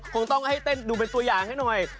คงต้องให้เต้นดูเป็นตัวอย่างให้หน่อย